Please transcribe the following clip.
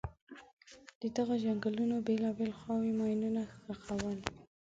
د دغو جنګونو بېلابېلو خواوو ماینونه ښخول.